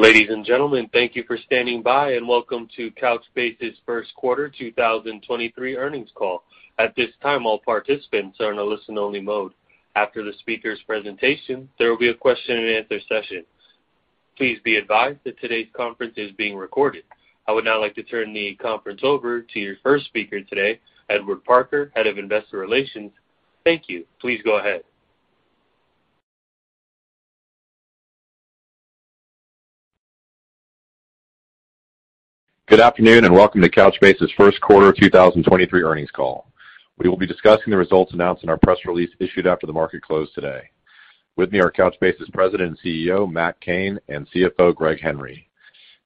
Ladies and gentlemen, thank you for standing by, and welcome to Couchbase's first quarter 2023 earnings call. At this time, all participants are in a listen-only mode. After the speaker's presentation, there will be a question-and-answer session. Please be advised that today's conference is being recorded. I would now like to turn the conference over to your first speaker today, Edward Parker, Head of Investor Relations. Thank you. Please go ahead. Good afternoon, and welcome to Couchbase's first quarter 2023 earnings call. We will be discussing the results announced in our press release issued after the market closed today. With me are Couchbase's president and CEO, Matt Cain, and CFO, Greg Henry.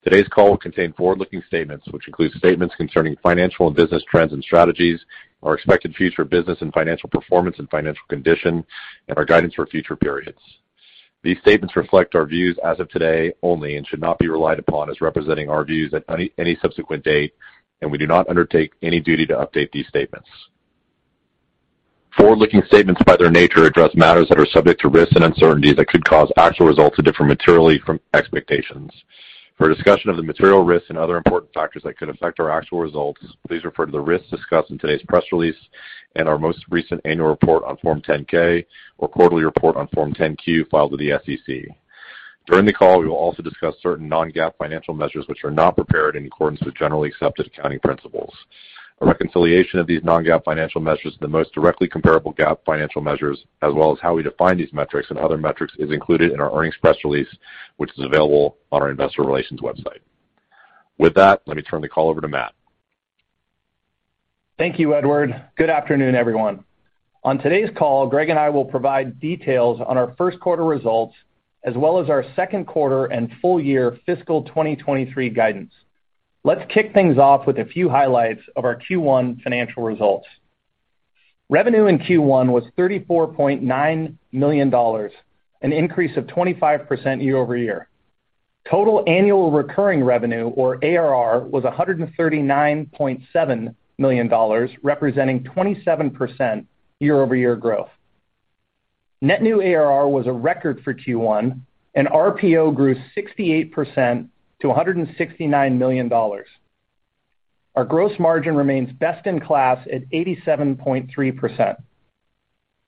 Today's call will contain forward-looking statements, which includes statements concerning financial and business trends and strategies, our expected future business and financial performance and financial condition, and our guidance for future periods. These statements reflect our views as of today only and should not be relied upon as representing our views at any subsequent date, and we do not undertake any duty to update these statements. Forward-looking statements by their nature address matters that are subject to risks and uncertainties that could cause actual results to differ materially from expectations. For a discussion of the material risks and other important factors that could affect our actual results, please refer to the risks discussed in today's press release and our most recent annual report on Form 10-K or quarterly report on Form 10-Q filed with the SEC. During the call, we will also discuss certain non-GAAP financial measures, which are not prepared in accordance with generally accepted accounting principles. A reconciliation of these non-GAAP financial measures to the most directly comparable GAAP financial measures as well as how we define these metrics and other metrics is included in our earnings press release, which is available on our investor relations website. With that, let me turn the call over to Matt. Thank you, Edward. Good afternoon, everyone. On today's call, Greg and I will provide details on our first quarter results as well as our second quarter and full year fiscal 2023 guidance. Let's kick things off with a few highlights of our Q1 financial results. Revenue in Q1 was $34.9 million, an increase of 25% year-over-year. Total annual recurring revenue or ARR was $139.7 million, representing 27% year-over-year growth. Net new ARR was a record for Q1, and RPO grew 68% to $169 million. Our gross margin remains best in class at 87.3%.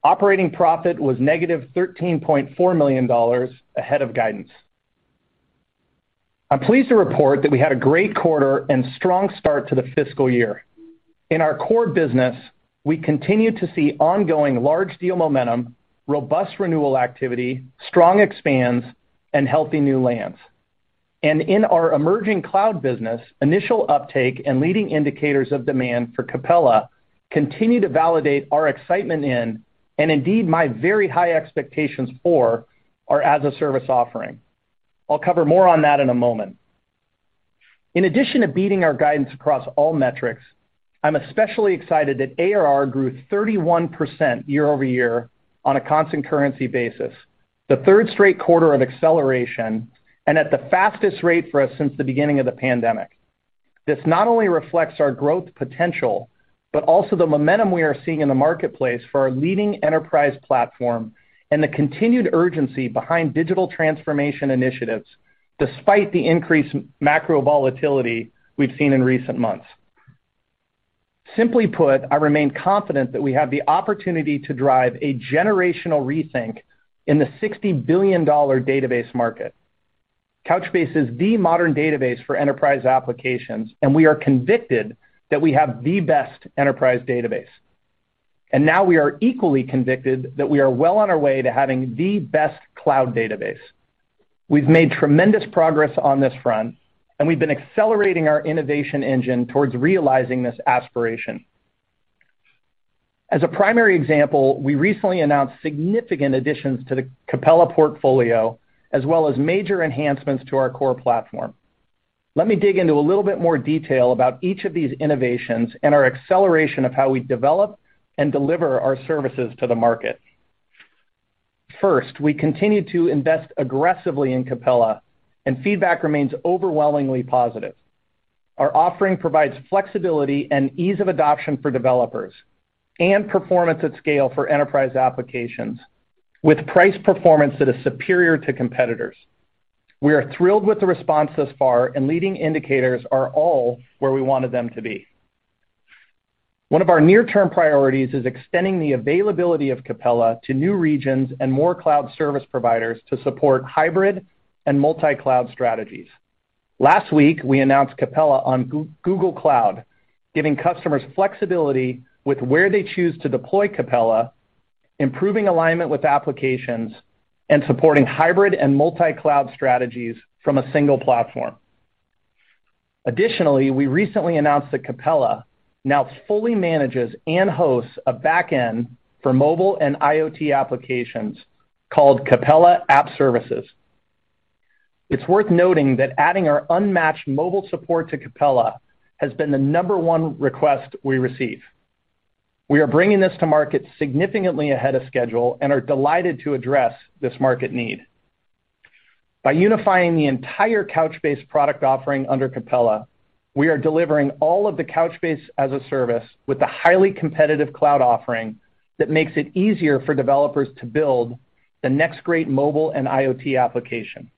Operating profit was -$13.4 million ahead of guidance. I'm pleased to report that we had a great quarter and strong start to the fiscal year. In our core business, we continue to see ongoing large deal momentum, robust renewal activity, strong expands, and healthy new lands. In our emerging cloud business, initial uptake and leading indicators of demand for Capella continue to validate our excitement in, and indeed my very high expectations for, our as-a-service offering. I'll cover more on that in a moment. In addition to beating our guidance across all metrics, I'm especially excited that ARR grew 31% year-over-year on a constant currency basis, the third straight quarter of acceleration and at the fastest rate for us since the beginning of the pandemic. This not only reflects our growth potential, but also the momentum we are seeing in the marketplace for our leading enterprise platform and the continued urgency behind digital transformation initiatives despite the increased macro volatility we've seen in recent months. Simply put, I remain confident that we have the opportunity to drive a generational rethink in the $60 billion database market. Couchbase is the modern database for enterprise applications, and we are convicted that we have the best enterprise database. Now we are equally convicted that we are well on our way to having the best cloud database. We've made tremendous progress on this front, and we've been accelerating our innovation engine towards realizing this aspiration. As a primary example, we recently announced significant additions to the Capella portfolio as well as major enhancements to our core platform. Let me dig into a little bit more detail about each of these innovations and our acceleration of how we develop and deliver our services to the market. First, we continue to invest aggressively in Capella, and feedback remains overwhelmingly positive. Our offering provides flexibility and ease of adoption for developers and performance at scale for enterprise applications with price performance that is superior to competitors. We are thrilled with the response thus far, and leading indicators are all where we wanted them to be. One of our near-term priorities is extending the availability of Capella to new regions and more cloud service providers to support hybrid and multi-cloud strategies. Last week, we announced Capella on Google Cloud, giving customers flexibility with where they choose to deploy Capella, improving alignment with applications, and supporting hybrid and multi-cloud strategies from a single platform. Additionally, we recently announced that Capella now fully manages and hosts a back-end for mobile and IoT applications called Capella App Services. It's worth noting that adding our unmatched mobile support to Capella has been the number one request we receive. We are bringing this to market significantly ahead of schedule and are delighted to address this market need. By unifying the entire Couchbase product offering under Capella. We are delivering all of the Couchbase as a service with a highly competitive cloud offering that makes it easier for developers to build the next great mobile and IoT application.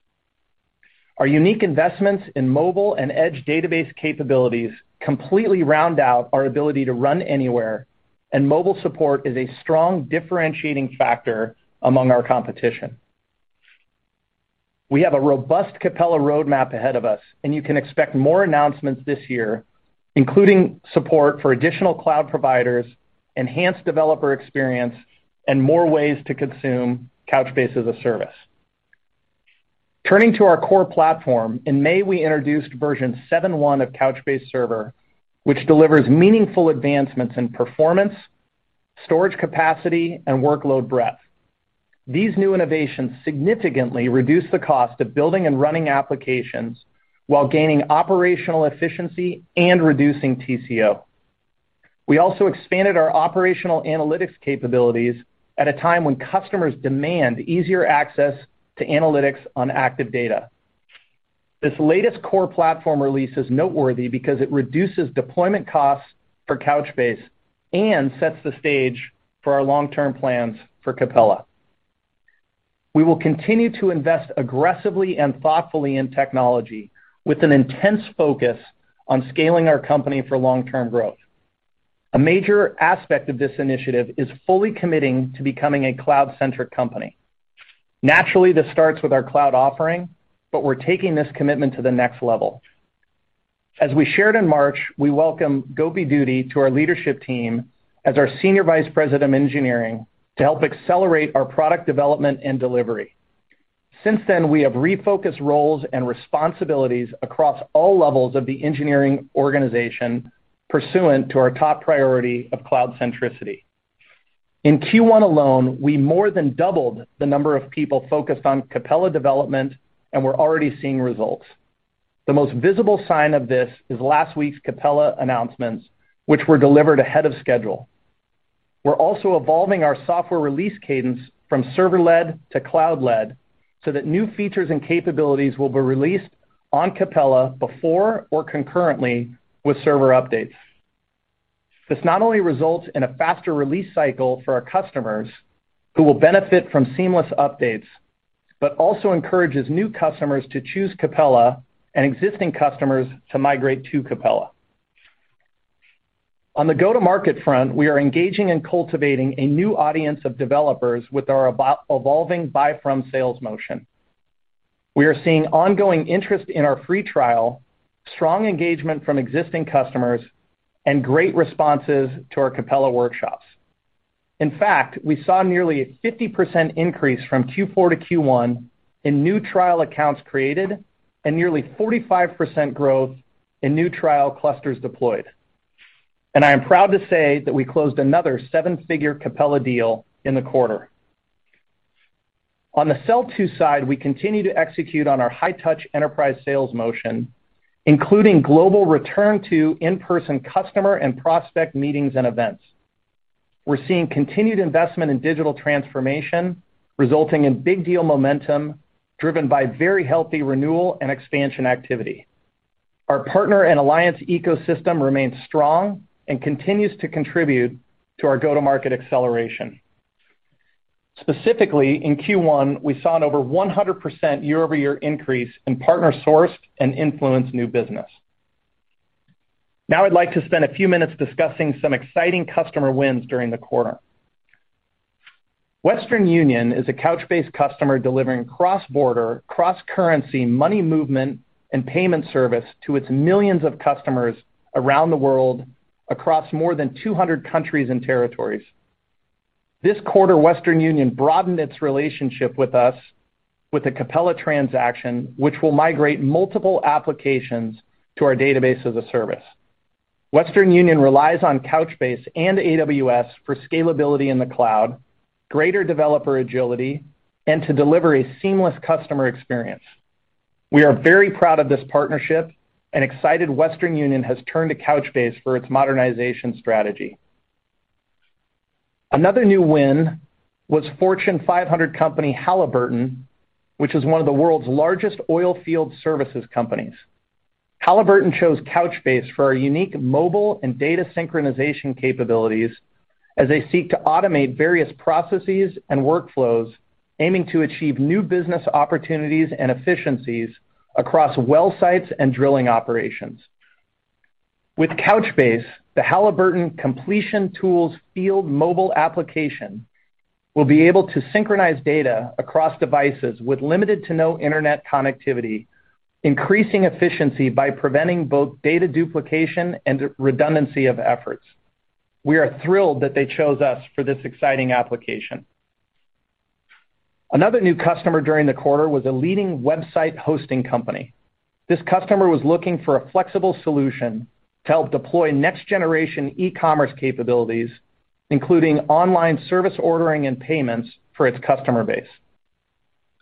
Our unique investments in mobile and edge database capabilities completely round out our ability to run anywhere, and mobile support is a strong differentiating factor among our competition. We have a robust Capella roadmap ahead of us, and you can expect more announcements this year, including support for additional cloud providers, enhanced developer experience, and more ways to consume Couchbase as a service. Turning to our core platform, in May, we introduced version 7.1 of Couchbase Server, which delivers meaningful advancements in performance, storage capacity, and workload breadth. These new innovations significantly reduce the cost of building and running applications while gaining operational efficiency and reducing TCO. We also expanded our operational analytics capabilities at a time when customers demand easier access to analytics on active data. This latest core platform release is noteworthy because it reduces deployment costs for Couchbase and sets the stage for our long-term plans for Capella. We will continue to invest aggressively and thoughtfully in technology with an intense focus on scaling our company for long-term growth. A major aspect of this initiative is fully committing to becoming a cloud-centric company. Naturally, this starts with our cloud offering, but we're taking this commitment to the next level. As we shared in March, we welcome Gopi Duddi to our leadership team as our Senior Vice President of Engineering to help accelerate our product development and delivery. Since then, we have refocused roles and responsibilities across all levels of the engineering organization pursuant to our top priority of cloud centricity. In Q1 alone, we more than doubled the number of people focused on Capella development, and we're already seeing results. The most visible sign of this is last week's Capella announcements, which were delivered ahead of schedule. We're also evolving our software release cadence from server-led to cloud-led so that new features and capabilities will be released on Capella before or concurrently with server updates. This not only results in a faster release cycle for our customers who will benefit from seamless updates, but also encourages new customers to choose Capella and existing customers to migrate to Capella. On the go-to-market front, we are engaging and cultivating a new audience of developers with our evolving buy from sales motion. We are seeing ongoing interest in our free trial, strong engagement from existing customers, and great responses to our Capella workshops. In fact, we saw nearly a 50% increase from Q4 to Q1 in new trial accounts created and nearly 45% growth in new trial clusters deployed. I am proud to say that we closed another seven-figure Capella deal in the quarter. On the sell-through side, we continue to execute on our high-touch enterprise sales motion, including global return to in-person customer and prospect meetings and events. We're seeing continued investment in digital transformation, resulting in big deal momentum driven by very healthy renewal and expansion activity. Our partner and alliance ecosystem remains strong and continues to contribute to our go-to-market acceleration. Specifically, in Q1, we saw an over 100% year-over-year increase in partner sourced and influenced new business. Now I'd like to spend a few minutes discussing some exciting customer wins during the quarter. Western Union is a Couchbase customer delivering cross-border, cross-currency, money movement and payment service to its millions of customers around the world across more than 200 countries and territories. This quarter, Western Union broadened its relationship with us with a Capella transaction, which will migrate multiple applications to our database as a service. Western Union relies on Couchbase and AWS for scalability in the cloud, greater developer agility, and to deliver a seamless customer experience. We are very proud of this partnership and excited Western Union has turned to Couchbase for its modernization strategy. Another new win was Fortune 500 company Halliburton, which is one of the world's largest oil field services companies. Halliburton chose Couchbase for our unique mobile and data synchronization capabilities as they seek to automate various processes and workflows, aiming to achieve new business opportunities and efficiencies across well sites and drilling operations. With Couchbase, the Halliburton completion tools field mobile application will be able to synchronize data across devices with limited to no internet connectivity, increasing efficiency by preventing both data duplication and redundancy of efforts. We are thrilled that they chose us for this exciting application. Another new customer during the quarter was a leading website hosting company. This customer was looking for a flexible solution to help deploy next-generation e-commerce capabilities, including online service ordering and payments for its customer base.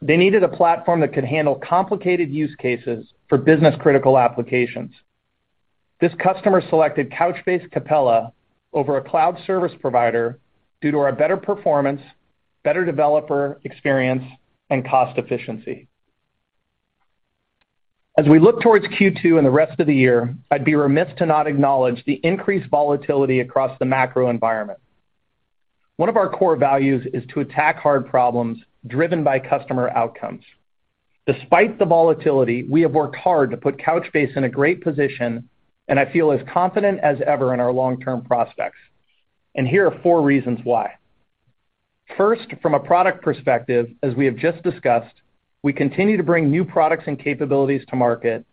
They needed a platform that could handle complicated use cases for business-critical applications. This customer selected Couchbase Capella over a cloud service provider due to our better performance, better developer experience and cost efficiency. As we look towards Q2 and the rest of the year, I'd be remiss to not acknowledge the increased volatility across the macro environment. One of our core values is to attack hard problems driven by customer outcomes. Despite the volatility, we have worked hard to put Couchbase in a great position, and I feel as confident as ever in our long-term prospects. Here are four reasons why. First, from a product perspective, as we have just discussed, we continue to bring new products and capabilities to market,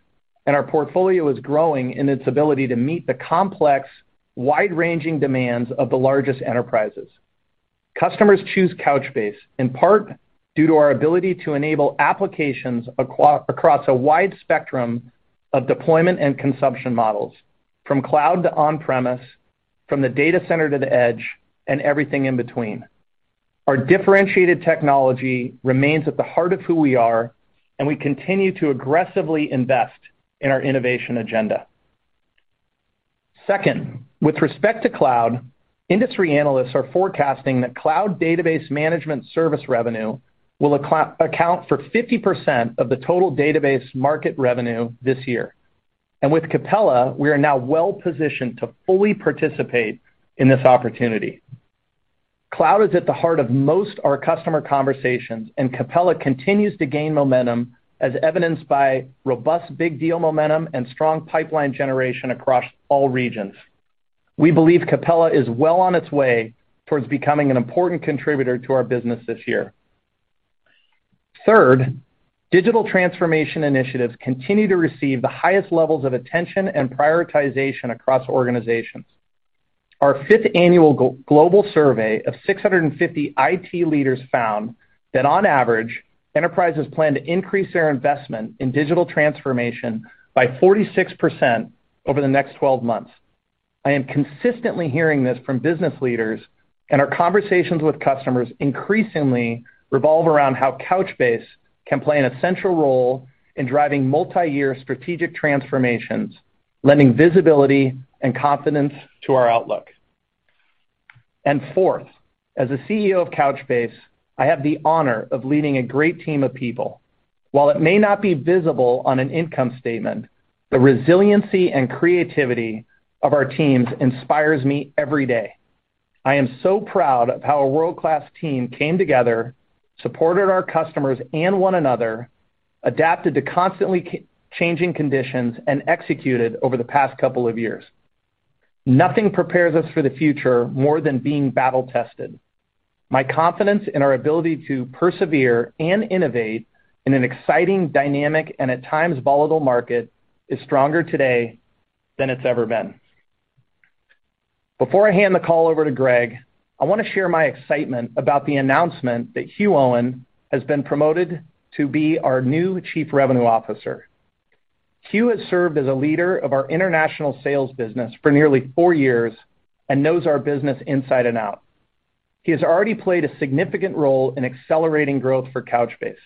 and our portfolio is growing in its ability to meet the complex, wide-ranging demands of the largest enterprises. Customers choose Couchbase in part due to our ability to enable applications across a wide spectrum of deployment and consumption models, from cloud to on-premise, from the data center to the edge, and everything in between. Our differentiated technology remains at the heart of who we are, and we continue to aggressively invest in our innovation agenda. Second, with respect to cloud, industry analysts are forecasting that cloud database management service revenue will account for 50% of the total database market revenue this year. With Capella, we are now well positioned to fully participate in this opportunity. Cloud is at the heart of most of our customer conversations, and Capella continues to gain momentum as evidenced by robust big deal momentum and strong pipeline generation across all regions. We believe Capella is well on its way towards becoming an important contributor to our business this year. Third, digital transformation initiatives continue to receive the highest levels of attention and prioritization across organizations. Our fifth annual global survey of 650 IT leaders found that on average, enterprises plan to increase their investment in digital transformation by 46% over the next 12 months. I am consistently hearing this from business leaders, and our conversations with customers increasingly revolve around how Couchbase can play an essential role in driving multiyear strategic transformations, lending visibility and confidence to our outlook. Fourth, as the CEO of Couchbase, I have the honor of leading a great team of people. While it may not be visible on an income statement, the resiliency and creativity of our teams inspires me every day. I am so proud of how a world-class team came together, supported our customers and one another, adapted to constantly changing conditions, and executed over the past couple of years. Nothing prepares us for the future more than being battle tested. My confidence in our ability to persevere and innovate in an exciting, dynamic, and at times volatile market is stronger today than it's ever been. Before I hand the call over to Greg, I want to share my excitement about the announcement that Huw Owen has been promoted to be our new Chief Revenue Officer. Huw Owen has served as a leader of our international sales business for nearly four years and knows our business inside and out. He has already played a significant role in accelerating growth for Couchbase.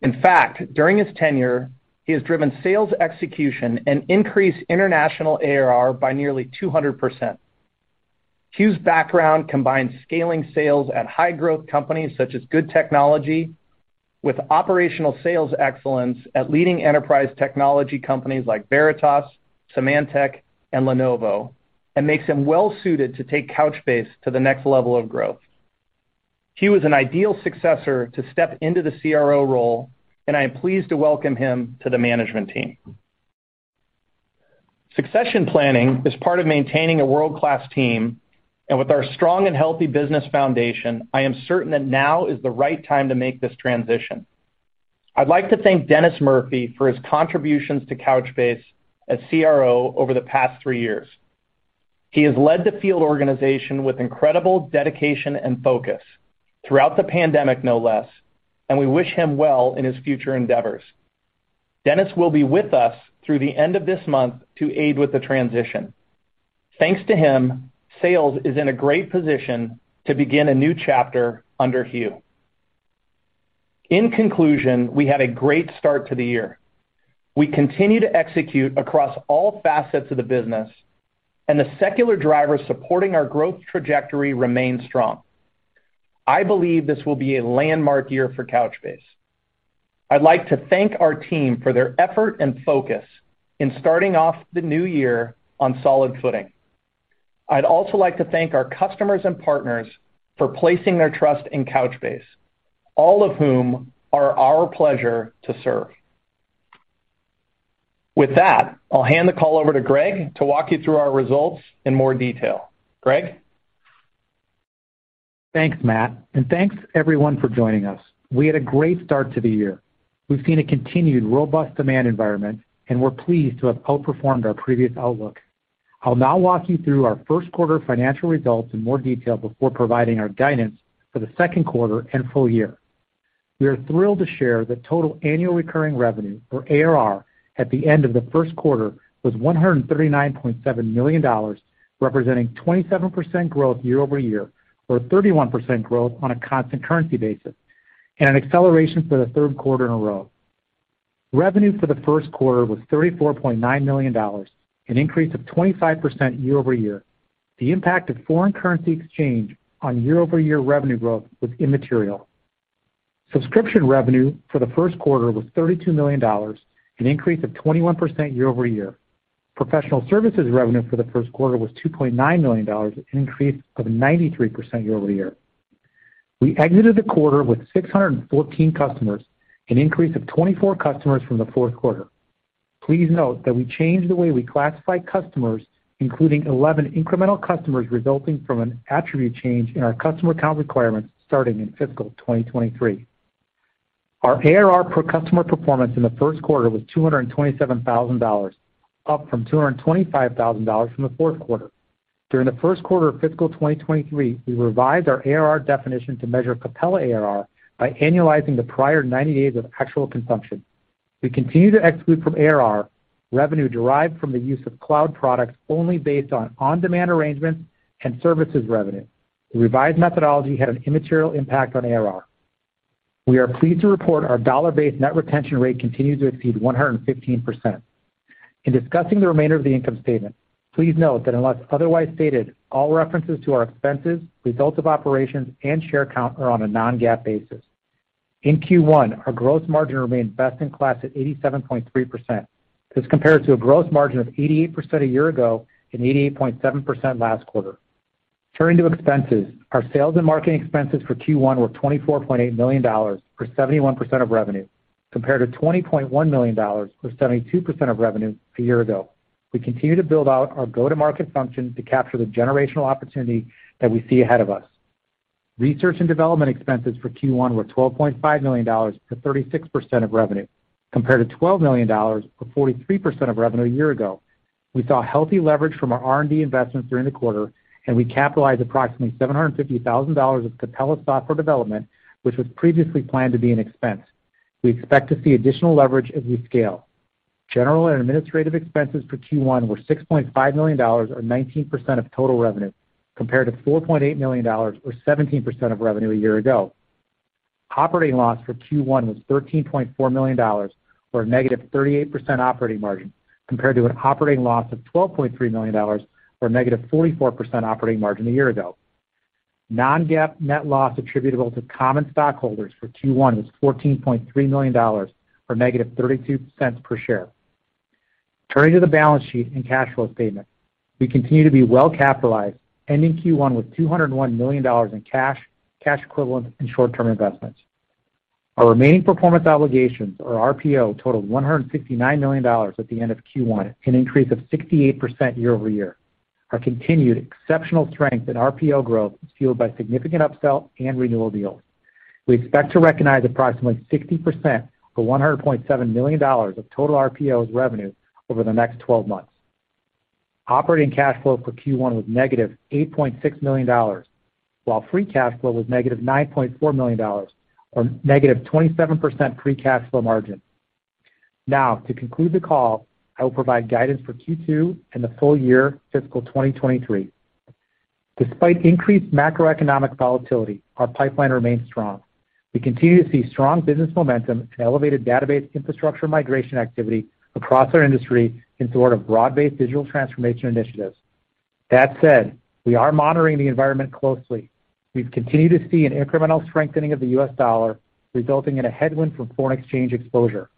In fact, during his tenure, he has driven sales execution and increased international ARR by nearly 200%. Huw Owen's background combines scaling sales at high-growth companies such as Good Technology with operational sales excellence at leading enterprise technology companies like Veritas, Symantec, and Lenovo, and makes him well-suited to take Couchbase to the next level of growth. Huw is an ideal successor to step into the CRO role, and I am pleased to welcome him to the management team. Succession planning is part of maintaining a world-class team. With our strong and healthy business foundation, I am certain that now is the right time to make this transition. I'd like to thank Denis Murphy for his contributions to Couchbase as CRO over the past three years. He has led the field organization with incredible dedication and focus throughout the pandemic, no less, and we wish him well in his future endeavors. Denis will be with us through the end of this month to aid with the transition. Thanks to him, sales is in a great position to begin a new chapter under Huw. In conclusion, we had a great start to the year. We continue to execute across all facets of the business, and the secular drivers supporting our growth trajectory remain strong. I believe this will be a landmark year for Couchbase. I'd like to thank our team for their effort and focus in starting off the new year on solid footing. I'd also like to thank our customers and partners for placing their trust in Couchbase, all of whom are our pleasure to serve. With that, I'll hand the call over to Greg to walk you through our results in more detail. Greg? Thanks, Matt, and thanks everyone for joining us. We had a great start to the year. We've seen a continued robust demand environment, and we're pleased to have outperformed our previous outlook. I'll now walk you through our first quarter financial results in more detail before providing our guidance for the second quarter and full year. We are thrilled to share that total annual recurring revenue, or ARR, at the end of the first quarter was $139.7 million, representing 27% growth year-over-year, or 31% growth on a constant currency basis, and an acceleration for the third quarter in a row. Revenue for the first quarter was $34.9 million, an increase of 25% year-over-year. The impact of foreign currency exchange on year-over-year revenue growth was immaterial. Subscription revenue for the first quarter was $32 million, an increase of 21% year-over-year. Professional services revenue for the first quarter was $2.9 million, an increase of 93% year-over-year. We exited the quarter with 614 customers, an increase of 24 customers from the fourth quarter. Please note that we changed the way we classify customers, including 11 incremental customers resulting from an attribute change in our customer count requirements starting in fiscal 2023. Our ARR per customer performance in the first quarter was $227,000, up from $225,000 from the fourth quarter. During the first quarter of fiscal 2023, we revised our ARR definition to measure Capella ARR by annualizing the prior 90 days of actual consumption. We continue to exclude from ARR revenue derived from the use of cloud products only based on on-demand arrangements and services revenue. The revised methodology had an immaterial impact on ARR. We are pleased to report our dollar-based net retention rate continues to exceed 115%. In discussing the remainder of the income statement, please note that unless otherwise stated, all references to our expenses, results of operations and share count are on a non-GAAP basis. In Q1, our gross margin remained best-in-class at 87.3%. This compared to a gross margin of 88% a year ago and 88.7% last quarter. Turning to expenses, our sales and marketing expenses for Q1 were $24.8 million, or 71% of revenue, compared to $20.1 million, or 72% of revenue a year ago. We continue to build out our go-to-market function to capture the generational opportunity that we see ahead of us. Research and development expenses for Q1 were $12.5 million, or 36% of revenue, compared to $12 million, or 43% of revenue a year ago. We saw healthy leverage from our R&D investments during the quarter, and we capitalized approximately $750,000 of Capella software development, which was previously planned to be an expense. We expect to see additional leverage as we scale. General and administrative expenses for Q1 were $6.5 million or 19% of total revenue, compared to $4.8 million or 17% of revenue a year ago. Operating loss for Q1 was $13.4 million or a -38% operating margin, compared to an operating loss of $12.3 million or a -44% operating margin a year ago. Non-GAAP net loss attributable to common stockholders for Q1 was $14.3 million or -$0.32 per share. Turning to the balance sheet and cash flow statement. We continue to be well capitalized, ending Q1 with $201 million in cash equivalents and short-term investments. Our remaining performance obligations, or RPO, totaled $159 million at the end of Q1, an increase of 68% year-over-year. Our continued exceptional strength in RPO growth is fueled by significant upsell and renewal deals. We expect to recognize approximately 60% of $100.7 million of total RPOs revenue over the next twelve months. Operating cash flow for Q1 was -$8.6 million, while free cash flow was -$9.4 million or -27% free cash flow margin. Now, to conclude the call, I will provide guidance for Q2 and the full year fiscal 2023. Despite increased macroeconomic volatility, our pipeline remains strong. We continue to see strong business momentum and elevated database infrastructure migration activity across our industry in sort of broad-based digital transformation initiatives. That said, we are monitoring the environment closely. We've continued to see an incremental strengthening of the U.S. dollar, resulting in a headwind from foreign exchange exposure.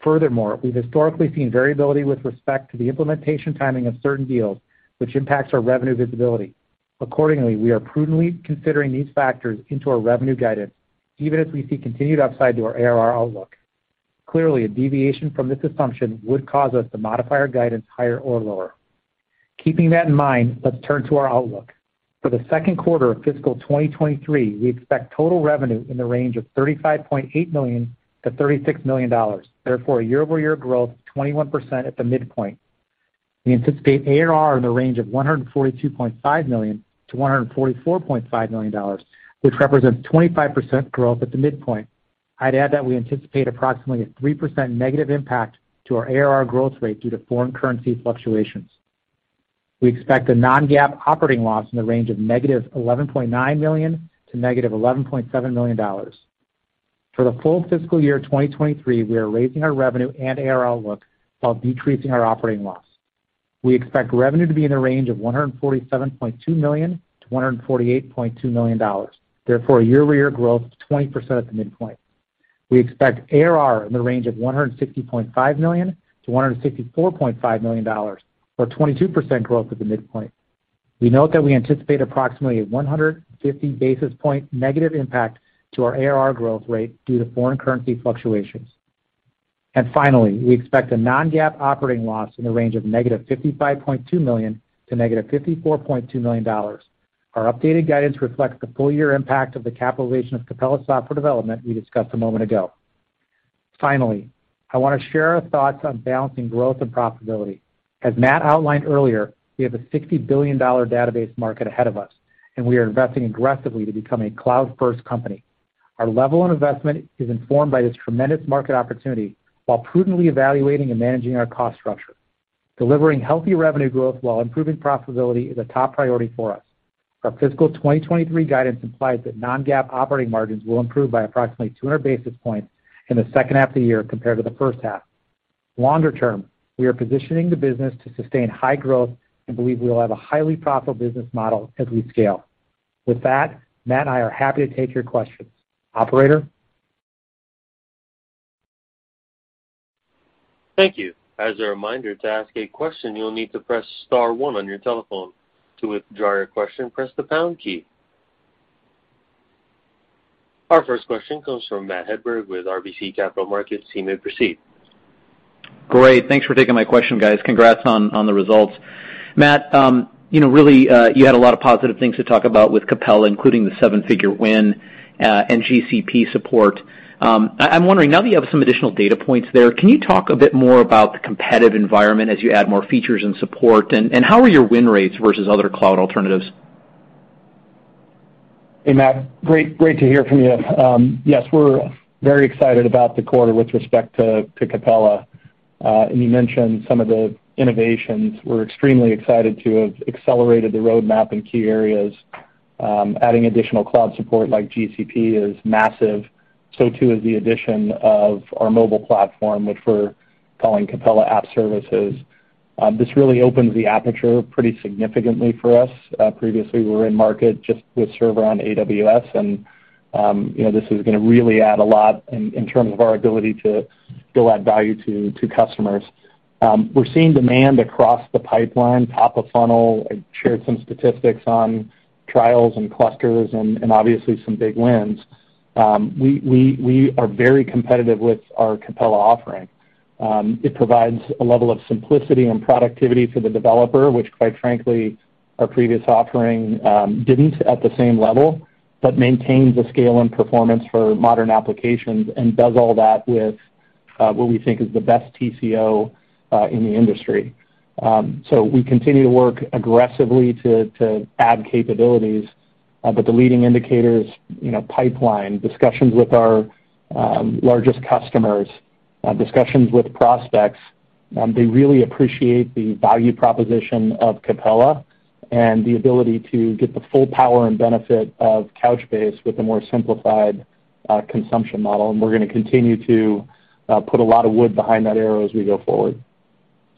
Furthermore, we've historically seen variability with respect to the implementation timing of certain deals, which impacts our revenue visibility. Accordingly, we are prudently considering these factors into our revenue guidance, even as we see continued upside to our ARR outlook. Clearly, a deviation from this assumption would cause us to modify our guidance higher or lower. Keeping that in mind, let's turn to our outlook. For the second quarter of fiscal 2023, we expect total revenue in the range of $35.8 million-$36 million, therefore a year-over-year growth of 21% at the midpoint. We anticipate ARR in the range of $142.5 million-$144.5 million, which represents 25% growth at the midpoint. I'd add that we anticipate approximately a 3% negative impact to our ARR growth rate due to foreign currency fluctuations. We expect a non-GAAP operating loss in the range of -$11.9 million to -$11.7 million. For the full fiscal year 2023, we are raising our revenue and ARR outlook while decreasing our operating loss. We expect revenue to be in the range of $147.2 million-$148.2 million, therefore a year-over-year growth of 20% at the midpoint. We expect ARR in the range of $160.5 million-$164.5 million or 22% growth at the midpoint. We note that we anticipate approximately 150 basis points negative impact to our ARR growth rate due to foreign currency fluctuations. Finally, we expect a non-GAAP operating loss in the range of -$55.2 million to -$54.2 million. Our updated guidance reflects the full year impact of the capitalization of Capella software development we discussed a moment ago. Finally, I want to share our thoughts on balancing growth and profitability. As Matt outlined earlier, we have a $60 billion database market ahead of us, and we are investing aggressively to become a cloud-first company. Our level of investment is informed by this tremendous market opportunity while prudently evaluating and managing our cost structure. Delivering healthy revenue growth while improving profitability is a top priority for us. Our fiscal 2023 guidance implies that non-GAAP operating margins will improve by approximately 200 basis points in the second half of the year compared to the first half. Longer term, we are positioning the business to sustain high growth and believe we will have a highly profitable business model as we scale. With that, Matt and I are happy to take your questions. Operator? Thank you. As a reminder, to ask a question, you'll need to press star one on your telephone. To withdraw your question, press the pound key. Our first question comes from Matt Hedberg with RBC Capital Markets. You may proceed. Great. Thanks for taking my question, guys. Congrats on the results. Matt, you know, really, you had a lot of positive things to talk about with Capella, including the seven-figure win, and GCP support. I'm wondering, now that you have some additional data points there, can you talk a bit more about the competitive environment as you add more features and support? How are your win rates versus other cloud alternatives? Hey, Matt, great to hear from you. Yes, we're very excited about the quarter with respect to Capella. You mentioned some of the innovations. We're extremely excited to have accelerated the roadmap in key areas. Adding additional cloud support like GCP is massive. So too is the addition of our mobile platform, which we're calling Capella App Services. This really opens the aperture pretty significantly for us. Previously we were in market just with server on AWS, and you know, this is gonna really add a lot in terms of our ability to go add value to customers. We're seeing demand across the pipeline, top of funnel. I shared some statistics on trials and clusters and obviously some big wins. We are very competitive with our Capella offering. It provides a level of simplicity and productivity for the developer, which quite frankly our previous offering didn't at the same level, but maintains the scale and performance for modern applications and does all that with what we think is the best TCO in the industry. So we continue to work aggressively to add capabilities. But the leading indicators, you know, pipeline, discussions with our largest customers, discussions with prospects, they really appreciate the value proposition of Capella and the ability to get the full power and benefit of Couchbase with a more simplified consumption model. We're gonna continue to put a lot of wood behind that arrow as we go forward.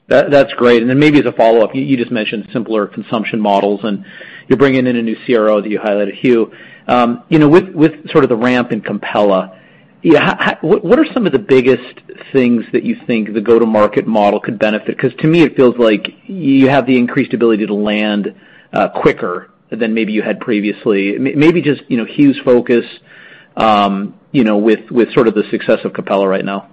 That's great. Then maybe as a follow-up, you just mentioned simpler consumption models, and you're bringing in a new CRO that you highlighted, Huw. You know, with sort of the ramp in Capella, what are some of the biggest things that you think the go-to-market model could benefit? 'Cause to me it feels like you have the increased ability to land quicker than maybe you had previously. Maybe just, you know, Huw's focus, you know, with sort of the success of Capella right now.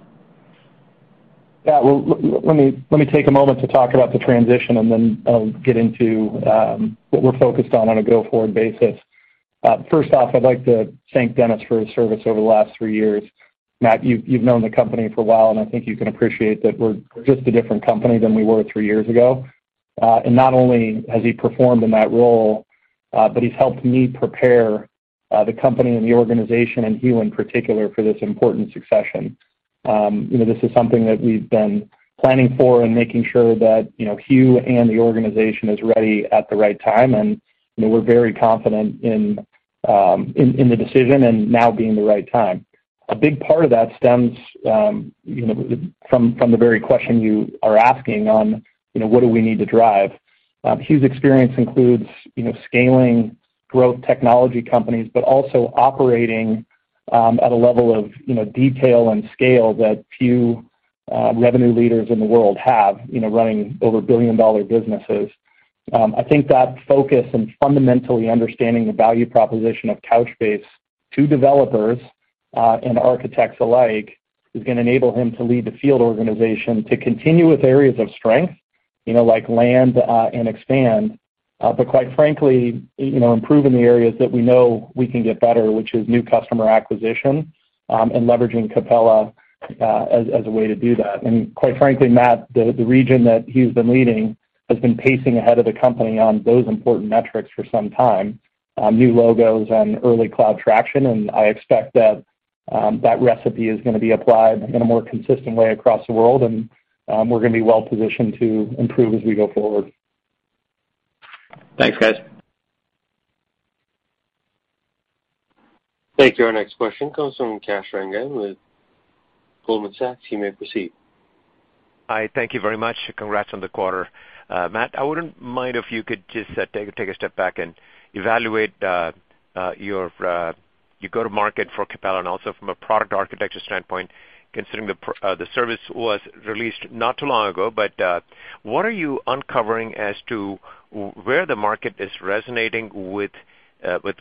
Yeah, well, let me take a moment to talk about the transition and then I'll get into what we're focused on on a go-forward basis. First off, I'd like to thank Dennis for his service over the last three years. Matt, you've known the company for a while, and I think you can appreciate that we're just a different company than we were three years ago. Not only has he performed in that role, but he's helped me prepare the company and the organization and Hugh in particular for this important succession. You know, this is something that we've been planning for and making sure that, you know, Hugh and the organization is ready at the right time. You know, we're very confident in the decision and now being the right time. A big part of that stems, you know, from the very question you are asking on, you know, what do we need to drive. Huw's experience includes, you know, scaling growth technology companies, but also operating at a level of, you know, detail and scale that few revenue leaders in the world have, you know, running over billion-dollar businesses. I think that focus and fundamentally understanding the value proposition of Couchbase to developers and architects alike is gonna enable him to lead the field organization to continue with areas of strength, you know, like land and expand. Quite frankly, you know, improve in the areas that we know we can get better, which is new customer acquisition and leveraging Capella as a way to do that. Quite frankly, Matt, the region that he's been leading has been pacing ahead of the company on those important metrics for some time, new logos and early cloud traction. I expect that recipe is gonna be applied in a more consistent way across the world, and we're gonna be well positioned to improve as we go forward. Thanks, guys. Thank you. Our next question comes from Kash Rangan with Goldman Sachs. You may proceed. Hi, thank you very much. Congrats on the quarter. Matt, I wouldn't mind if you could just take a step back and evaluate your go to market for Capella and also from a product architecture standpoint, considering the service was released not too long ago. What are you uncovering as to where the market is resonating with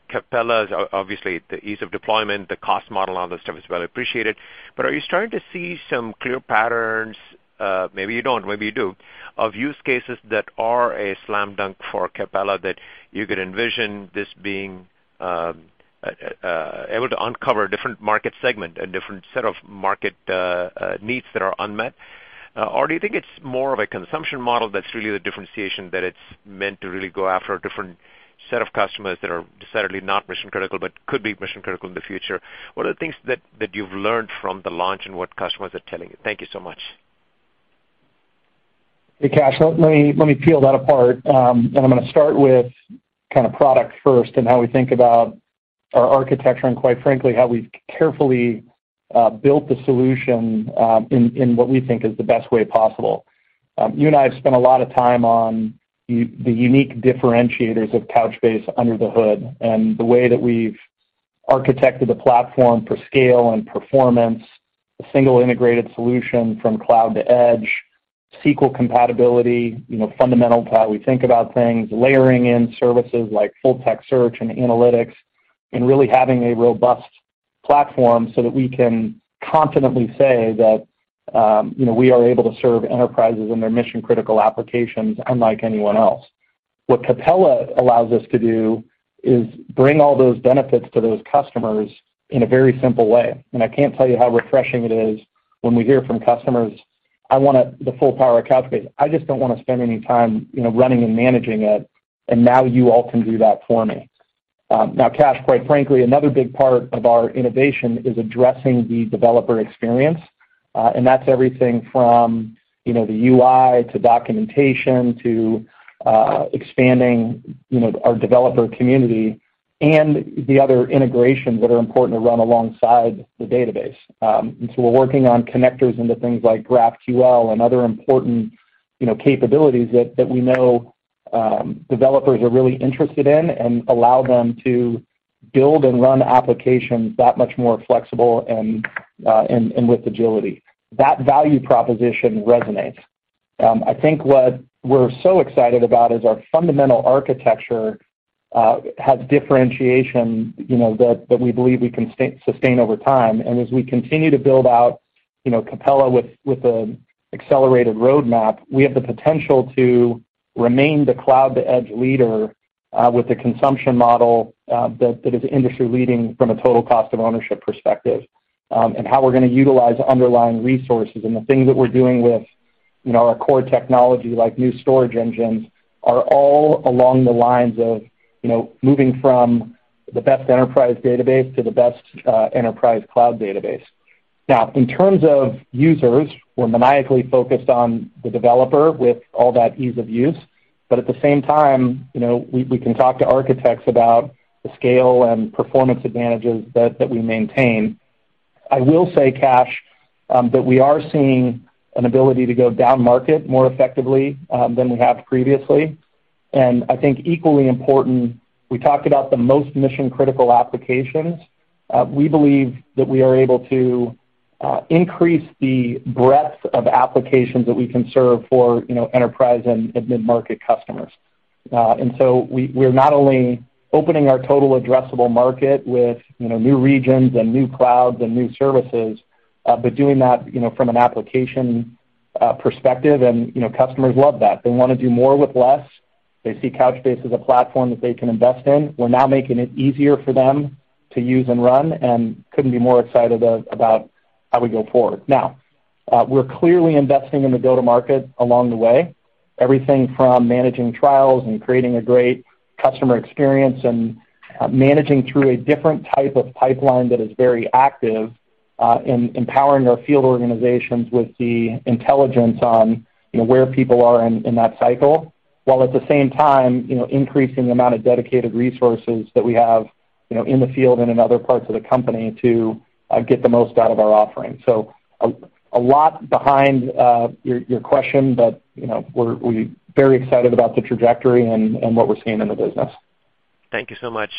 Capella's obviously the ease of deployment, the cost model, all that stuff is well appreciated. Are you starting to see some clear patterns, maybe you don't, maybe you do, of use cases that are a slam dunk for Capella that you could envision this being able to uncover a different market segment, a different set of market needs that are unmet? Do you think it's more of a consumption model that's really the differentiation that it's meant to really go after a different set of customers that are decidedly not mission-critical but could be mission-critical in the future? What are the things that you've learned from the launch and what customers are telling you? Thank you so much. Hey, Kash, let me peel that apart. I'm gonna start with kind of product first and how we think about our architecture, and quite frankly, how we've carefully built the solution, in what we think is the best way possible. You and I have spent a lot of time on the unique differentiators of Couchbase under the hood, and the way that we've architected the platform for scale and performance, a single integrated solution from cloud to edge, SQL compatibility, you know, fundamental to how we think about things, layering in services like full text search and analytics, and really having a robust platform so that we can confidently say that, you know, we are able to serve enterprises in their mission-critical applications unlike anyone else. What Capella allows us to do is bring all those benefits to those customers in a very simple way. I can't tell you how refreshing it is when we hear from customers, "I want the full power of Couchbase. I just don't wanna spend any time, you know, running and managing it, and now you all can do that for me." Now Kash, quite frankly, another big part of our innovation is addressing the developer experience. That's everything from, you know, the UI to documentation to expanding, you know, our developer community and the other integrations that are important to run alongside the database. We're working on connectors into things like GraphQL and other important, you know, capabilities that we know developers are really interested in and allow them to build and run applications that much more flexible and with agility. That value proposition resonates. I think what we're so excited about is our fundamental architecture has differentiation, you know, that we believe we can sustain over time. As we continue to build out, you know, Capella with an accelerated roadmap, we have the potential to remain the cloud-to-edge leader with the consumption model that is industry-leading from a total cost of ownership perspective. How we're gonna utilize underlying resources and the things that we're doing with, you know, our core technology like new storage engines are all along the lines of, you know, moving from the best enterprise database to the best enterprise cloud database. Now, in terms of users, we're maniacally focused on the developer with all that ease of use. At the same time, you know, we can talk to architects about the scale and performance advantages that we maintain. I will say, Kash, that we are seeing an ability to go downmarket more effectively than we have previously. I think equally important, we talked about the most mission-critical applications. We believe that we are able to increase the breadth of applications that we can serve for, you know, enterprise and mid-market customers. We're not only opening our total addressable market with, you know, new regions and new clouds and new services, but doing that, you know, from an application perspective. You know, customers love that. They wanna do more with less. They see Couchbase as a platform that they can invest in. We're now making it easier for them to use and run, and couldn't be more excited about how we go forward. Now, we're clearly investing in the go-to-market along the way. Everything from managing trials and creating a great customer experience and managing through a different type of pipeline that is very active in empowering our field organizations with the intelligence on, you know, where people are in that cycle. While at the same time, you know, increasing the amount of dedicated resources that we have, you know, in the field and in other parts of the company to get the most out of our offering. So a lot behind your question, but, you know, we're very excited about the trajectory and what we're seeing in the business. Thank you so much,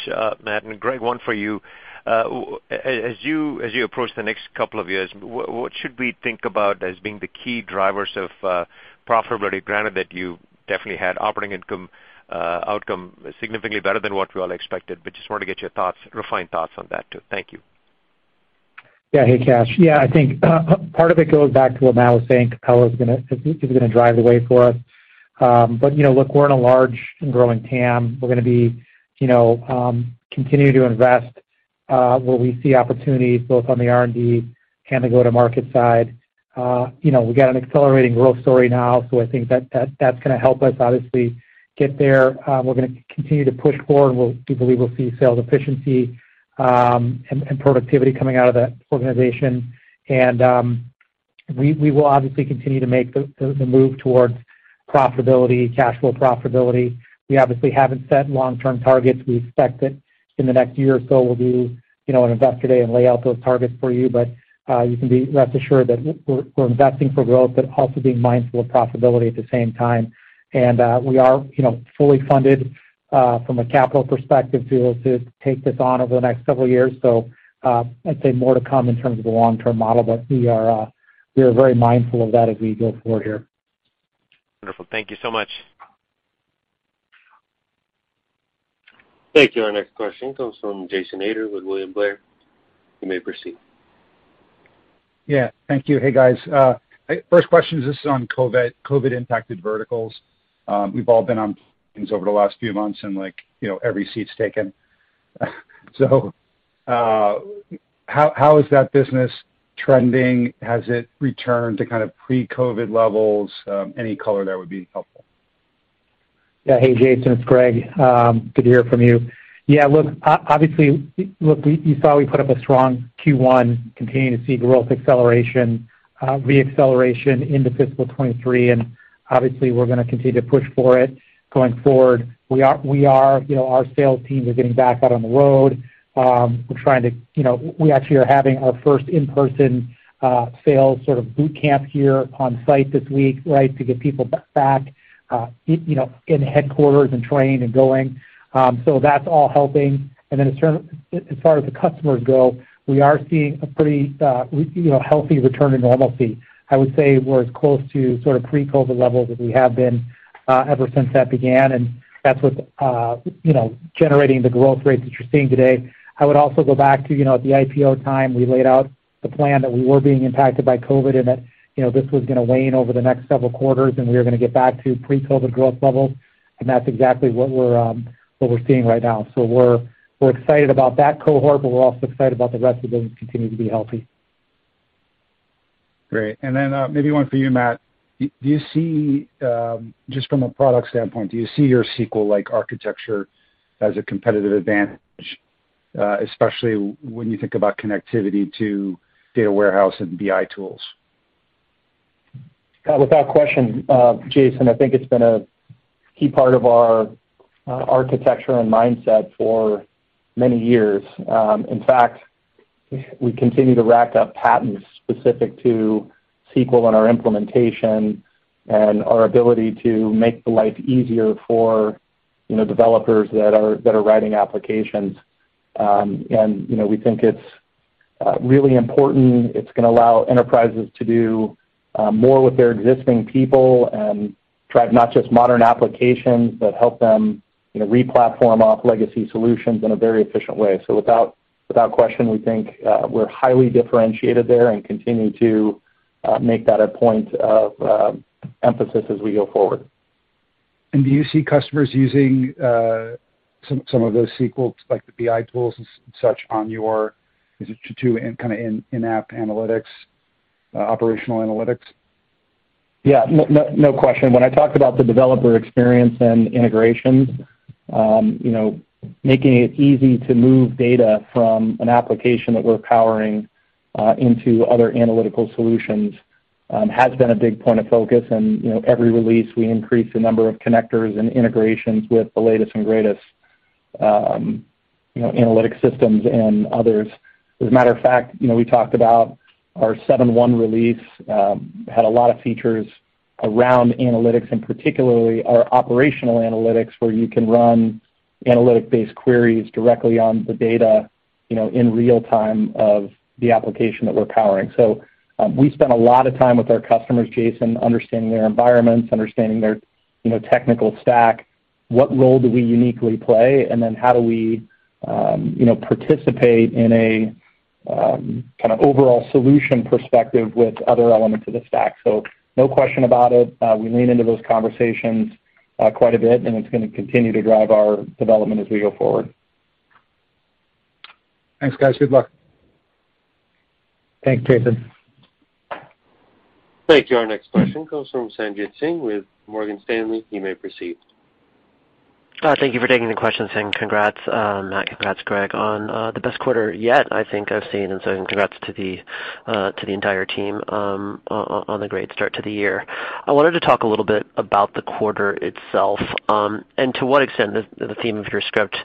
Matt. Greg, one for you. As you approach the next couple of years, what should we think about as being the key drivers of profitability, granted that you definitely had operating income outcome significantly better than what we all expected, but just wanted to get your thoughts, refined thoughts on that too. Thank you. Yeah. Hey, Kash. Yeah, I think part of it goes back to what Matt was saying. Capella is gonna pave the way for us. But you know, look, we're in a large and growing TAM. We're gonna continue to invest where we see opportunities both on the R&D and the go-to-market side. You know, we've got an accelerating growth story now, so I think that's gonna help us obviously get there. We're gonna continue to push forward. We believe we'll see sales efficiency and productivity coming out of that organization. We will obviously continue to make the move towards profitability, cash flow profitability. We obviously haven't set long-term targets. We expect that in the next year or so we'll do, you know, an Investor Day and lay out those targets for you. You can be rest assured that we're investing for growth, but also being mindful of profitability at the same time. We are, you know, fully funded from a capital perspective to take this on over the next several years. I'd say more to come in terms of the long-term model, but we are very mindful of that as we go forward here. Wonderful. Thank you so much. Thank you. Our next question comes from Jason Ader with William Blair. You may proceed. Yeah. Thank you. Hey, guys. First question is just on COVID-impacted verticals. We've all been on planes over the last few months and like, you know, every seat's taken. How is that business trending? Has it returned to kind of pre-COVID levels? Any color there would be helpful. Yeah. Hey, Jason, it's Greg. Good to hear from you. Yeah, look, obviously, look, you saw we put up a strong Q1, continuing to see growth acceleration, re-acceleration into fiscal 2023, and obviously we're gonna continue to push for it going forward. We are, you know, our sales team is getting back out on the road. We're trying to. You know, we actually are having our first in-person, sales sort of boot camp here on site this week, right? To get people back, you know, in headquarters and trained and going. So that's all helping. As far as the customers go, we are seeing a pretty, you know, healthy return to normalcy. I would say we're as close to sort of pre-COVID levels as we have been ever since that began, and that's what's you know, generating the growth rate that you're seeing today. I would also go back to you know, at the IPO time, we laid out the plan that we were being impacted by COVID and that you know, this was gonna wane over the next several quarters, and we were gonna get back to pre-COVID growth levels, and that's exactly what we're seeing right now. We're excited about that cohort, but we're also excited about the rest of them continuing to be healthy. Great. Maybe one for you, Matt. Do you see, just from a product standpoint, do you see your SQL-like architecture as a competitive advantage, especially when you think about connectivity to data warehouse and BI tools? Without question, Jason, I think it's been a key part of our architecture and mindset for many years. In fact, we continue to rack up patents specific to SQL and our implementation and our ability to make the life easier for, you know, developers that are writing applications. You know, we think it's really important. It's gonna allow enterprises to do more with their existing people and drive not just modern applications, but help them, you know, re-platform off legacy solutions in a very efficient way. Without question, we think we're highly differentiated there and continue to make that a point of emphasis as we go forward. Do you see customers using some of those SQL, like the BI tools and such on your...? Is it to kinda in-app analytics, operational analytics? Yeah. No, no question. When I talk about the developer experience and integrations, you know, making it easy to move data from an application that we're powering into other analytical solutions has been a big point of focus. You know, every release we increase the number of connectors and integrations with the latest and greatest, you know, analytic systems and others. As a matter of fact, you know, we talked about our 7.1 release had a lot of features around analytics, and particularly our operational analytics, where you can run analytic-based queries directly on the data, you know, in real time of the application that we're powering. We spend a lot of time with our customers, Jason, understanding their environments, understanding their, you know, technical stack, what role do we uniquely play, and then how do we, you know, participate in a, kind of overall solution perspective with other elements of the stack. No question about it, we lean into those conversations, quite a bit, and it's gonna continue to drive our development as we go forward. Thanks, guys. Good luck. Thanks, Jason. Thank you. Our next question comes from Sanjit Singh with Morgan Stanley. You may proceed. Thank you for taking the questions, and congrats, Matt, congrats, Greg, on the best quarter yet I think I've seen. Congrats to the entire team on the great start to the year. I wanted to talk a little bit about the quarter itself, and to what extent the theme of your script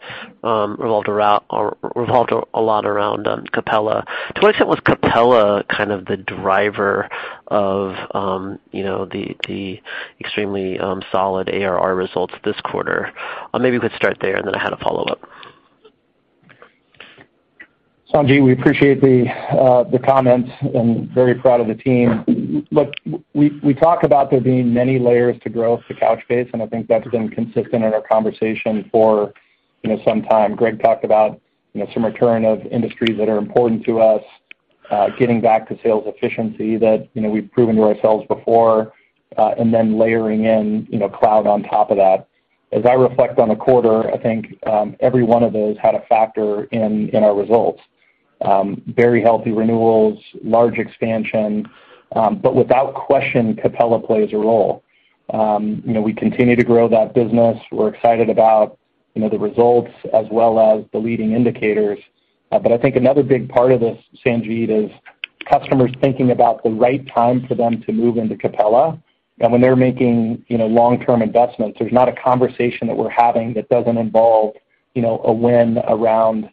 revolved a lot around Capella. To what extent was Capella kind of the driver of, you know, the extremely solid ARR results this quarter? Maybe we could start there, and then I had a follow-up. Sanjit, we appreciate the comments and very proud of the team. Look, we talk about there being many layers to growth to Couchbase, and I think that's been consistent in our conversation for, you know, some time. Greg talked about, you know, some return of industries that are important to us, getting back to sales efficiency that, you know, we've proven to ourselves before, and then layering in, you know, cloud on top of that. As I reflect on the quarter, I think every one of those had a factor in our results. Very healthy renewals, large expansion. But without question, Capella plays a role. You know, we continue to grow that business. We're excited about, you know, the results as well as the leading indicators. I think another big part of this, Sanjit, is customers thinking about the right time for them to move into Capella. When they're making, you know, long-term investments, there's not a conversation that we're having that doesn't involve, you know, a win around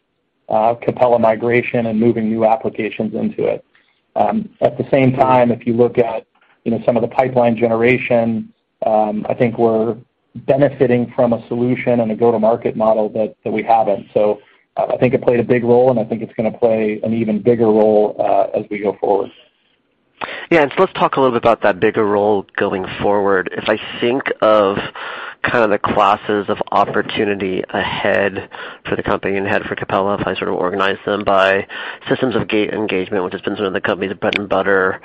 Capella migration and moving new applications into it. At the same time, if you look at, you know, some of the pipeline generation, I think we're benefiting from a solution and a go-to-market model that we haven't. I think it played a big role, and I think it's gonna play an even bigger role as we go forward. Yeah. Let's talk a little bit about that bigger role going forward. If I think of kind of the classes of opportunity ahead for the company and ahead for Capella, if I sort of organize them by systems of engagement, which has been some of the company's bread and butter,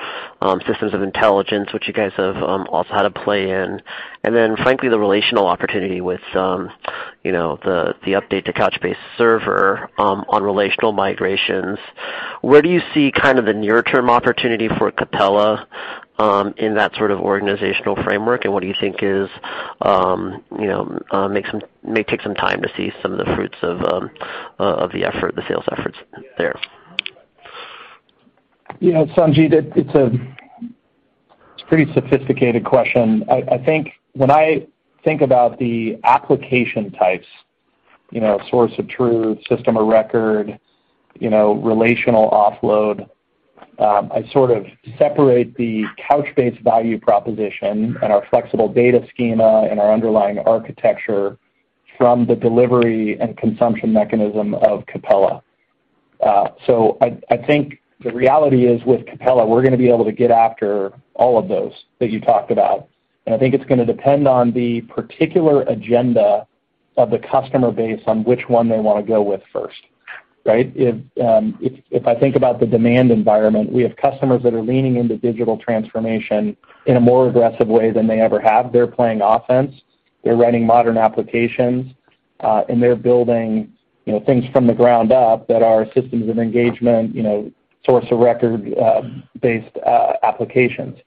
systems of intelligence, which you guys have also had a play in, and then frankly, the relational opportunity with, you know, the update to Couchbase Server on relational migrations. Where do you see kind of the near term opportunity for Capella in that sort of organizational framework, and what do you think is, you know, may take some time to see some of the fruits of the effort, the sales efforts there? You know, Sanjit, it's a pretty sophisticated question. I think when I think about the application types, you know, source of truth, system of record, you know, relational offload, I sort of separate the Couchbase value proposition and our flexible data schema and our underlying architecture from the delivery and consumption mechanism of Capella. So I think the reality is with Capella, we're gonna be able to get after all of those that you talked about. I think it's gonna depend on the particular agenda of the customer base on which one they wanna go with first, right? If I think about the demand environment, we have customers that are leaning into digital transformation in a more aggressive way than they ever have. They're playing offense, they're writing modern applications, and they're building, you know, things from the ground up that are systems of engagement, you know, source of record based applications.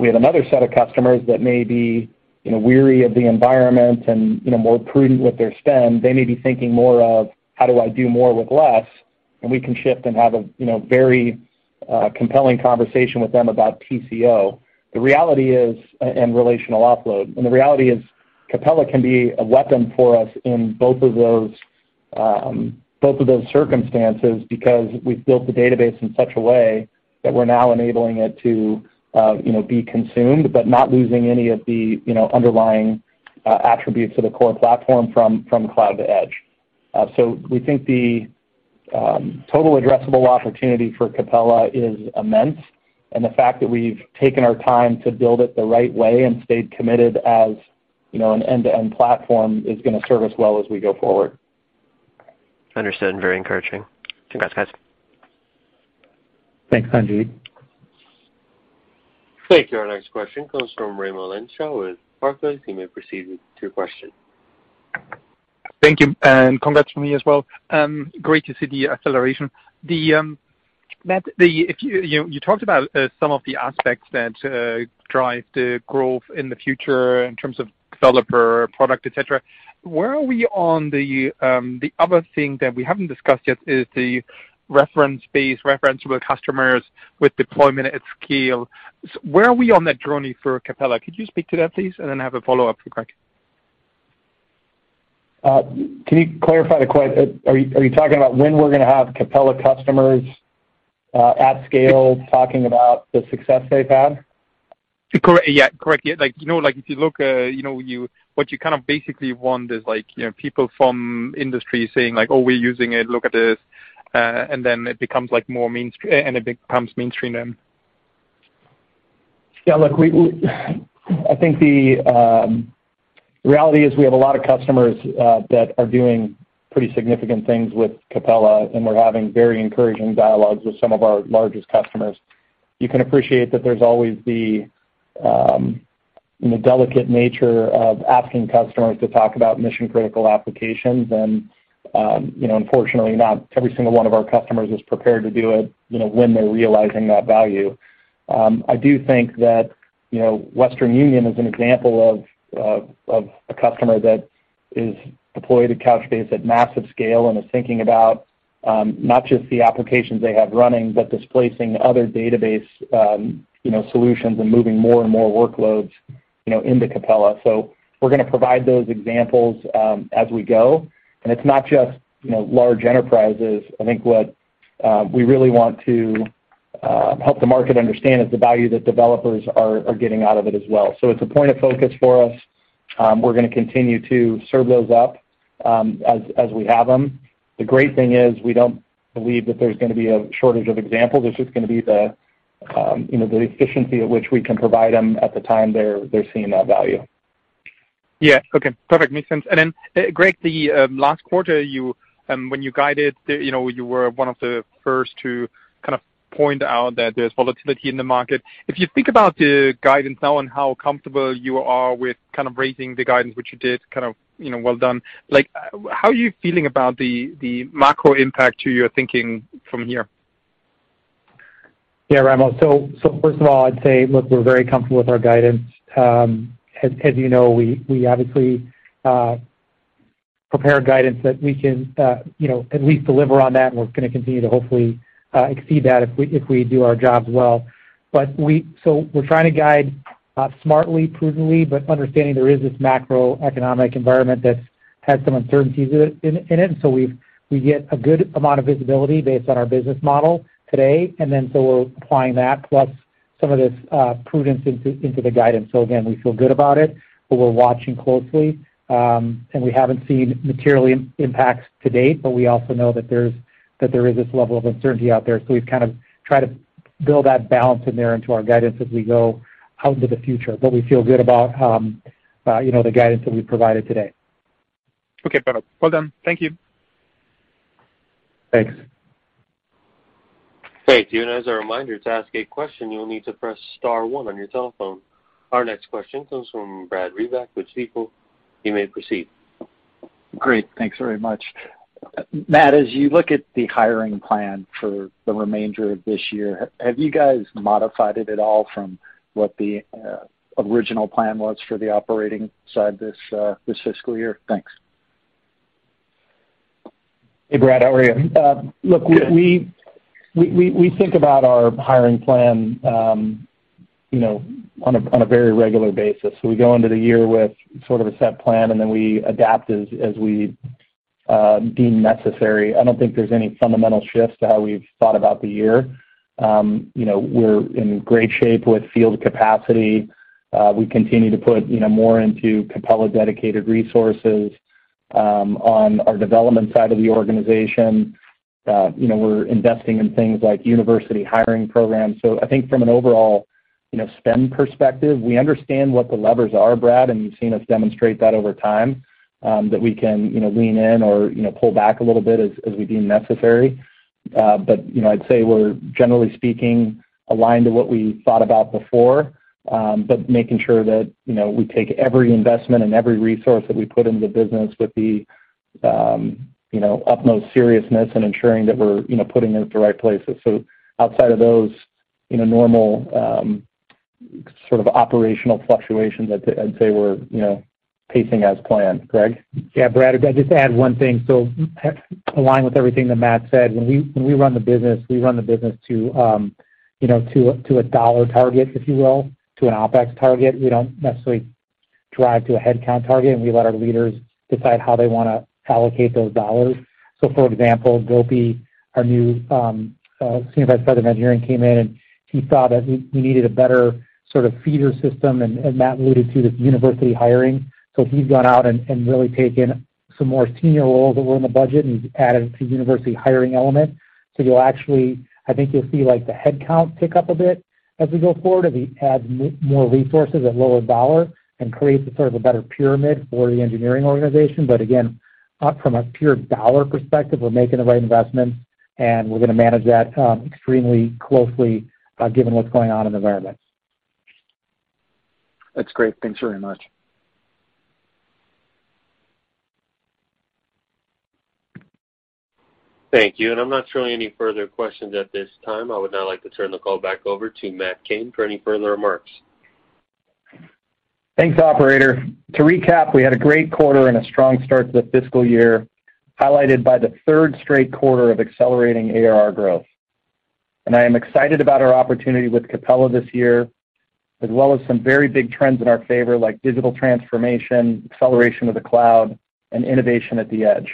We have another set of customers that may be, you know, wary of the environment and, you know, more prudent with their spend. They may be thinking more of, how do I do more with less? We can shift and have a, you know, very compelling conversation with them about TCO. The reality is and relational offload. The reality is Capella can be a weapon for us in both of those circumstances because we've built the database in such a way that we're now enabling it to, you know, be consumed, but not losing any of the, you know, underlying attributes of the core platform from cloud to edge. We think the total addressable opportunity for Capella is immense, and the fact that we've taken our time to build it the right way and stayed committed as, you know, an end-to-end platform is gonna serve us well as we go forward. Understood and very encouraging. Congrats, guys. Thanks, Sanjit. Thank you. Our next question comes from Raimo Lenschow with Barclays. You may proceed with your question. Thank you, and congrats from me as well. Great to see the acceleration. Matt, if you talked about some of the aspects that drive the growth in the future in terms of developer, product, et cetera. Where are we on the other thing that we haven't discussed yet is the reference base, referenceable customers with deployment at scale. Where are we on that journey for Capella? Could you speak to that, please? Then I have a follow-up for Greg. Are you talking about when we're gonna have Capella customers at scale talking about the success they've had? Correct. Yeah. Like, you know, like, if you look, you know, what you kind of basically want is like, you know, people from industry saying like, "Oh, we're using it. Look at this." It becomes like more mainstream then. Yeah. Look, I think the reality is we have a lot of customers that are doing pretty significant things with Capella, and we're having very encouraging dialogues with some of our largest customers. You can appreciate that there's always the you know, delicate nature of asking customers to talk about mission-critical applications. Unfortunately, not every single one of our customers is prepared to do it, you know, when they're realizing that value. I do think that you know, Western Union is an example of a customer that is deployed at Couchbase at massive scale and is thinking about not just the applications they have running, but displacing other database solutions and moving more and more workloads you know, into Capella. We're gonna provide those examples as we go. It's not just, you know, large enterprises. I think what we really want to help the market understand is the value that developers are getting out of it as well. It's a point of focus for us. We're gonna continue to serve those up, as we have them. The great thing is we don't believe that there's gonna be a shortage of examples. It's just gonna be the, you know, the efficiency at which we can provide them at the time they're seeing that value. Yeah. Okay. Perfect. Makes sense. Greg, last quarter, when you guided the, you know, you were one of the first to kind of point out that there's volatility in the market. If you think about the guidance now and how comfortable you are with kind of raising the guidance, which you did kind of, you know, well done, like, how are you feeling about the macro impact to your thinking from here? Yeah, Raimo. First of all, I'd say, look, we're very comfortable with our guidance. As you know, we obviously prepare guidance that we can, you know, at least deliver on that, and we're gonna continue to hopefully exceed that if we do our jobs well. We're trying to guide smartly, prudently, but understanding there is this macroeconomic environment that's had some uncertainties in it. We get a good amount of visibility based on our business model today. We're applying that plus some of this prudence into the guidance. Again, we feel good about it, but we're watching closely. We haven't seen material impacts to date, but we also know that there is this level of uncertainty out there. We've kind of tried to build that balance in there into our guidance as we go out into the future. We feel good about, you know, the guidance that we've provided today. Okay. Perfect. Well done. Thank you. Thanks. Great. As a reminder, to ask a question, you'll need to press star one on your telephone. Our next question comes from Brad Reback with Stifel. You may proceed. Great. Thanks very much. Matt, as you look at the hiring plan for the remainder of this year, have you guys modified it at all from what the original plan was for the operating side this fiscal year? Thanks. Hey, Brad, how are you? Look, we think about our hiring plan, you know, on a very regular basis. We go into the year with sort of a set plan, and then we adapt as we deem necessary. I don't think there's any fundamental shifts to how we've thought about the year. You know, we're in great shape with field capacity. We continue to put, you know, more into Capella dedicated resources on our development side of the organization. You know, we're investing in things like university hiring programs. I think from an overall, you know, spend perspective, we understand what the levers are, Brad, and you've seen us demonstrate that over time, that we can, you know, lean in or, you know, pull back a little bit as we deem necessary. You know, I'd say we're, generally speaking, aligned to what we thought about before, but making sure that, you know, we take every investment and every resource that we put in the business with the, you know, utmost seriousness in ensuring that we're, you know, putting it in the right places. Outside of those, you know, normal, sort of operational fluctuations, I'd say we're, you know, pacing as planned. Greg? Yeah, Brad, if I could just add one thing. Align with everything that Matt said, when we run the business, we run the business to, you know, to a dollar target, if you will, to an OPEX target. We don't necessarily drive to a headcount target, and we let our leaders decide how they wanna allocate those dollars. For example, Gopi Duddi, our new Senior Vice President of Engineering came in, and he saw that we needed a better sort of feeder system, and Matt alluded to this university hiring. He's gone out and really taken some more senior roles that were in the budget, and he's added to university hiring element. You'll actually... I think you'll see like the headcount tick up a bit as we go forward, as we add more resources at lower dollar and create sort of a better pyramid for the engineering organization. Again, from a pure dollar perspective, we're making the right investments, and we're gonna manage that extremely closely, given what's going on in the environment. That's great. Thanks very much. Thank you. I'm not showing any further questions at this time. I would now like to turn the call back over to Matt Cain for any further remarks. Thanks, operator. To recap, we had a great quarter and a strong start to the fiscal year, highlighted by the third straight quarter of accelerating ARR growth. I am excited about our opportunity with Capella this year, as well as some very big trends in our favor, like digital transformation, acceleration of the cloud, and innovation at the edge.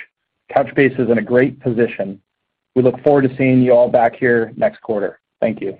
Couchbase is in a great position. We look forward to seeing you all back here next quarter. Thank you.